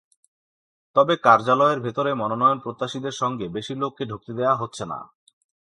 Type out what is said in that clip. তবে কার্যালয়ের ভেতরে মনোনয়ন প্রত্যাশীদের সঙ্গে বেশি লোককে ঢুকতে দেওয়া হচ্ছে না।